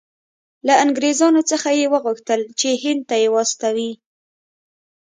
له انګریزانو څخه یې وغوښتل چې هند ته یې واستوي.